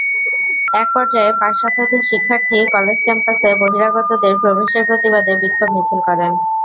একপর্যায়ে পাঁচ শতাধিক শিক্ষার্থী কলেজ ক্যাম্পাসে বহিরাগতদের প্রবেশের প্রতিবাদে বিক্ষোভ মিছিল করেন।